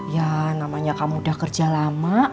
ya namanya kamu udah kerja lama